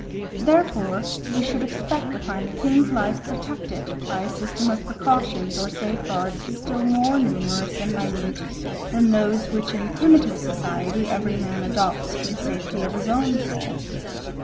Therefore we should expect to find the king's life protected by a system of precautions or safeguards still more numerous and minute than those which in primitive society every man adopts for the safety of his own soul.